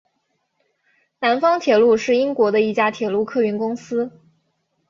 南方铁路是英国的一家铁路客运公司。